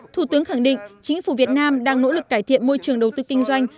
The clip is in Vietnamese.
thủ tướng khẳng định chính phủ việt nam đang nỗ lực cải thiện môi trường đầu tư kinh doanh